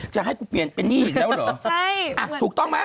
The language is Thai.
จะให้กูเปลี่ยนเป็นหนี้อีกแล้วเหรอใช่อ่ะถูกต้องไหม